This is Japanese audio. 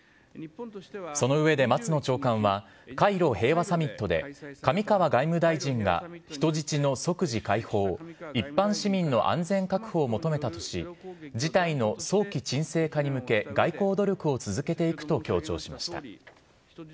その上で松野長官は、カイロ平和サミットで、上川外務大臣が、人質の即時解放、一般市民の安全確保を求めたとし、事態の早期沈静化に向け、外交努力を続けていくと強調しました。